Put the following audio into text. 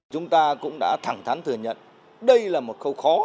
chúng ta cũng đã thẳng thắn thừa nhận đây là một khâu khó